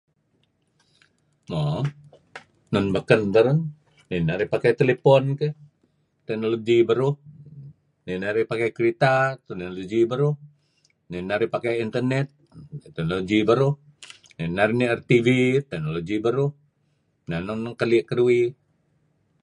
Mo nun baken beruh. Nih narih pakai telephone key teknologi beruh. Nih narih pakai kereta inah teknologi beruh nih narih pakai internet teknologi beruh nih narih nier TV teknologi beruh. Neh nuk keli' keduih.